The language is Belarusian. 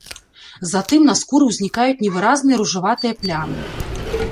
Затым на скуры ўзнікаюць невыразныя ружаватыя плямы.